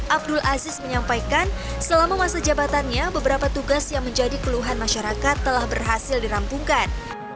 abdul aziz menyampaikan selama masa jabatannya beberapa tugas yang menjadi keluhan masyarakat telah berhasil dirampungkan